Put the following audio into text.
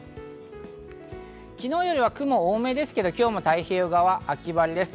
昨日よりは雲多めですけど、今日も太平洋側は秋晴れです。